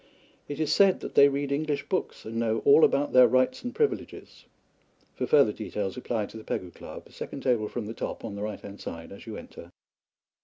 It is said that they read English books and know all about their rights and privileges. For further details apply to the Pegu Club, second table from the top on the right hand side as you enter.